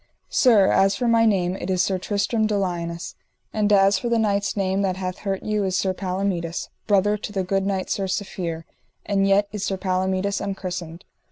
Sir, as for my name it is Sir Tristram de Liones, and as for the knight's name that hath hurt you is Sir Palomides, brother to the good knight Sir Safere, and yet is Sir Palomides unchristened.